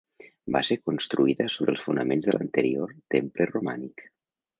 Va ser construïda sobre els fonaments de l'anterior temple romànic.